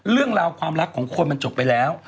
เรื่องราวความรักของคนมันจบไปแล้ว